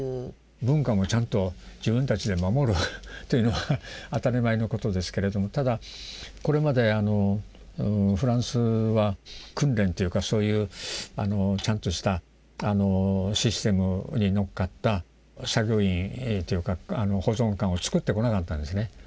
文化もちゃんと自分たちで守るというのは当たり前のことですけれどもただこれまでフランスは訓練というかちゃんとしたシステムに乗っかった作業員というか保存官をつくってこなかったんですね。